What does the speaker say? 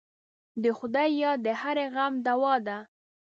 د خدای یاد د هرې غم دوا ده.